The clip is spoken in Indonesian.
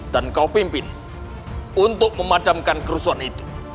dan kau pimpin untuk memadamkan kerusuhan itu